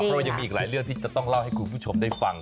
เพราะว่ายังมีอีกหลายเรื่องที่จะต้องเล่าให้คุณผู้ชมได้ฟัง